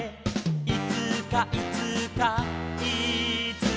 「いつかいつかいつか」